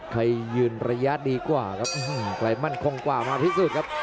ใครยืนระยะดีกว่าครับใครมั่นคงกว่ามาพิสูจน์ครับ